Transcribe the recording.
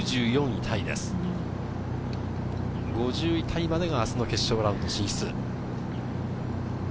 ５０位タイまでが明日の決勝ラウンド進出。